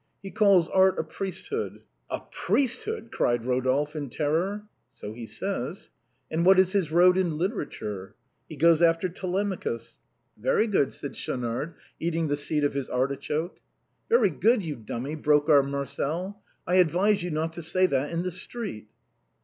He calls art a priesthood." "A priesthood !" cried Rodolphe, in terror. " So he says." "And what is his road in literature ?"" He goes after ' Telemachus.' "" Very good," said Schaunard, eating the seed of his artichoke. " Very good ! you dummy !" broke out Marcel ;" I ad vise you not to say that in the street."